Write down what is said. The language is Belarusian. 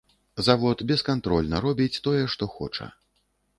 Завод бескантрольна робіць тое, што хоча.